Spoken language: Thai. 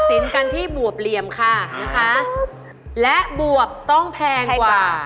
แพงกว่าแพงกว่า